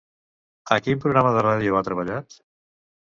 A quin programa de ràdio ha treballat?